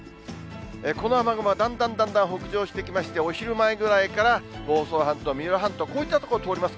この雨雲はだんだんだんだん北上してきまして、お昼前ぐらいから房総半島、三浦半島、こういった所を通ります。